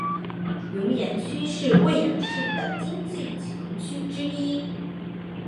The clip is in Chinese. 云岩区是贵阳市的经济强区之一。